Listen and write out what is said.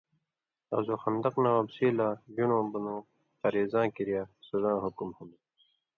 غزوہ خندقہ نہ واپسی لا ژُن٘ڑُوں بنوقریظاں کِریا سزاں حُکم ہُوۡندوۡ۔